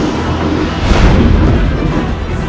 tin dan keseorang nya